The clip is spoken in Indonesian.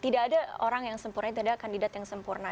tidak ada orang yang sempurna tidak ada kandidat yang sempurna